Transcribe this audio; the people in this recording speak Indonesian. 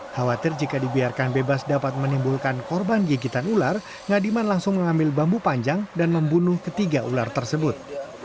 khawatir jika dibiarkan bebas dapat menimbulkan korban gigitan ular ngadiman langsung mengambil bambu panjang dan membunuh ketiga ular tersebut